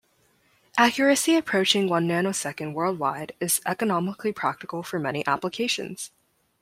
Accuracy approaching one nanosecond worldwide is economically practical for many applications.